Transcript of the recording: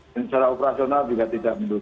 dan secara operasional juga tidak mendukung